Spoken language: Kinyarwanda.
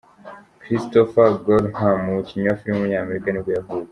Christopher Gorham, umukinnyi wa film w’umunyamerika nibwo yavutse.